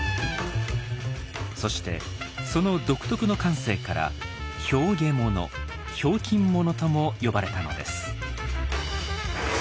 そしてその独特の感性から「へうげもの」ひょうきん者とも呼ばれたのです。